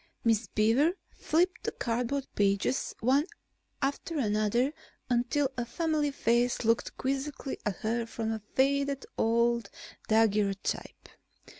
Miss Beaver flipped the cardboard pages one after another until a familiar face looked quizzically at her from a faded old daguerrotype.